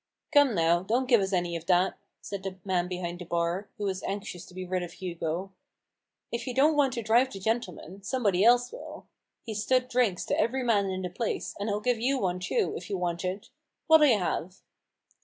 "" Come now, don't give us any of that !" said the man behind the bar, who was anxious to be rid of Hugo. " If you don't want to drive the gentleman, somebody else will. He's stood drinks to every man in the place, and he'll give you one, too, if you want it* What'll ye have